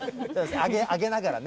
あげながらね。